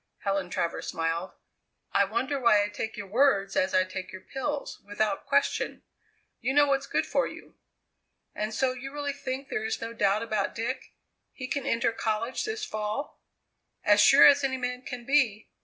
Helen Travers smiled. "I wonder why I take your words as I take your pills, without question?" "You know what's good for you." "And so you really think there is no doubt about Dick? He can enter college this fall?" "As sure as any man can be.